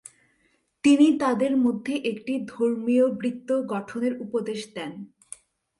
তিনি তাদের মধ্যে একটি ধর্মীয় বৃত্ত গঠনের উপদেশ দেন।